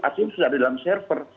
r seed sudah ada dalam server